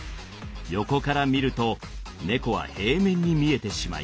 横から見ると猫は平面に見えてしまいます。